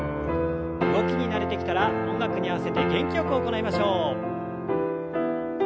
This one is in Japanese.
動きに慣れてきたら音楽に合わせて元気よく行いましょう。